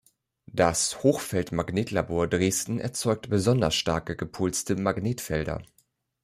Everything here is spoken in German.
Das Hochfeld-Magnetlabor Dresden erzeugt besonders starke gepulste Magnetfelder.